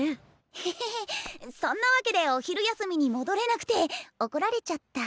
ヘヘヘそんな訳でお昼休みに戻れなくて怒られちゃった。